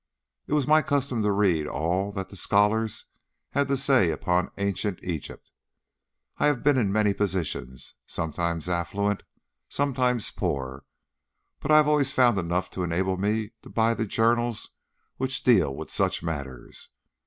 "It was my custom to read all that the scholars had to say upon Ancient Egypt. I have been in many positions, sometimes affluent, sometimes poor, but I have always found enough to enable me to buy the journals which deal with such matters.